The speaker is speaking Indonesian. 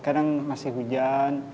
kadang masih hujan